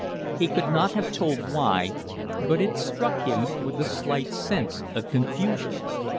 He could not have told why, but it struck him with a slight sense of confusion.